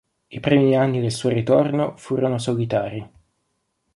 I primi anni del suo ritorno furono solitari.